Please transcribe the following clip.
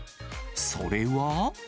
それは。